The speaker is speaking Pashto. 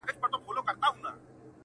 انساني وجدان ګډوډ پاتې کيږي تل،